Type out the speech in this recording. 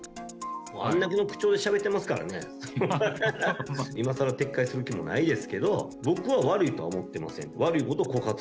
あんだけの口調でしゃべってますからね、今さら撤回する気もないですけど、僕は悪いとは思ってません。